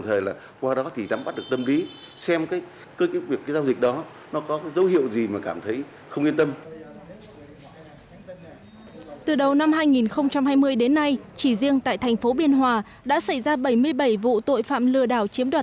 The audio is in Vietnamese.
từ đầu năm hai nghìn hai mươi đến nay chỉ riêng tại thành phố biên hòa đã xảy ra bảy mươi bảy vụ tội phạm lừa đảo chiếm đoạt